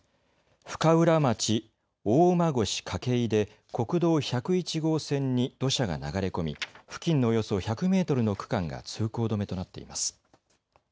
深浦町大間越筧で国道１０１号線に土砂が流れ込み付近のおよそ１００メートルの区間が通行止めとなっています。